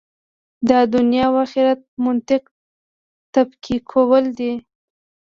دا د دنیا او آخرت منطق تفکیکول دي.